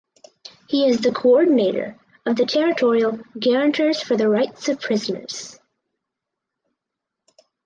He is the Coordinator of the territorial guarantors for the rights of prisoners.